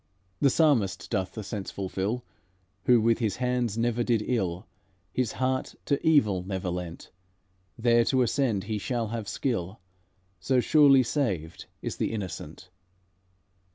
The psalmist doth the sense fulfill: 'Who with his hands did never ill, His heart to evil never lent, There to ascend he shall have skill;' So surely saved is the innocent."